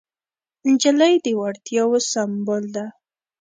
نجلۍ د وړتیاوو سمبول ده.